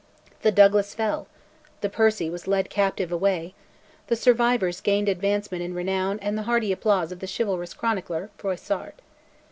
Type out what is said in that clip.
The Douglas fell, the Percy was led captive away; the survivors gained advancement in renown and the hearty applause of the chivalrous chronicler, Froissart.